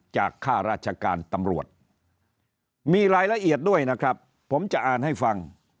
ข้าราชการตำรวจมีรายละเอียดด้วยนะครับผมจะอ่านให้ฟัง